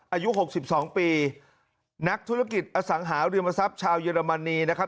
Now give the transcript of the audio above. อายุหกสิบสองปีนักธุรกิจอสังหาริมทรัพย์ชาวเยอรมนีนะครับ